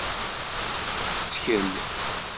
Ttkel!